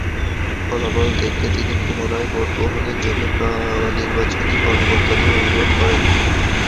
ফলাফল দেখে তিনি পুনরায় ভোট গ্রহণের জন্য নির্বাচনী কর্মকর্তাদের অনুরোধ করেন।